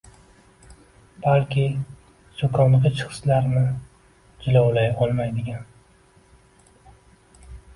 balki so‘kong‘ich, hislarini jilovlay olmaydigan